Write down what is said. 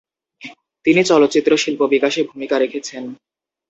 তিনি চলচ্চিত্র শিল্প বিকাশে ভূমিকা রেখেছেন।